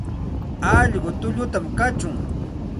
Alqu tulluta kachun.